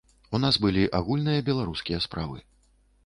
У нас былі агульныя беларускія справы.